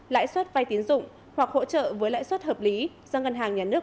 lãi suất vai tiến dụng hoặc hỗ trợ với lãi suất hợp lý do ngân hàng nhà nước